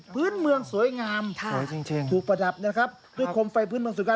พื้นเมืองสวยงามถูกประดับนะครับด้วยโคมไฟพื้นเมืองสุการ